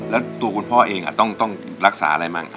แล้วตัวคุณพ่อเองต้องรักษาอะไรมั่ง